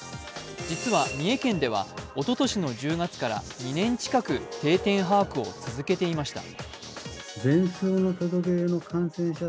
実は、三重県ではおととしの１０月から２年近く定点把握を続けていました。